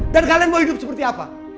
dan kalian mau hidup seperti apa